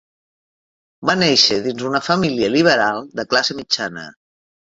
Va néixer dins una família liberal de classe mitjana.